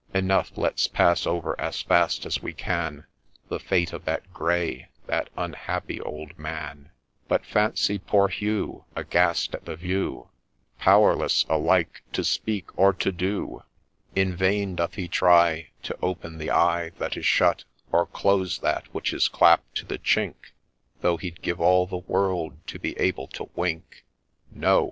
—— Enough !— let 's pass over as fast as we can The fate of that grey, that unhappy old man I But fancy poor Hugh, Aghast at the view, Powerless alike to speak or to do I In vain doth he try To open the eye That is shut, or close that which is clapt to the chink, Though he'd give all the world to be able to wink I — No